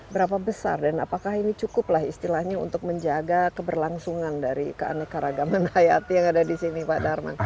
berapa besar dan apakah ini cukup lah istilahnya untuk menjaga keberlangsungan dari keanekaragaman hayati yang ada di sini pak darman